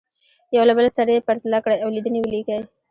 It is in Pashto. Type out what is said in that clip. یو له بل سره یې پرتله کړئ او لیدنې ولیکئ.